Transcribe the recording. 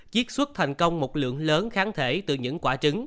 chiết xuất thành công một lượng lớn kháng thể từ những quả trứng